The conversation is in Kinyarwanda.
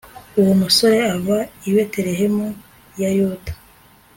uwo musore ava i betelehemu ya yuda